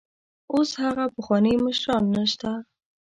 اوس هغه پخواني مشران نشته.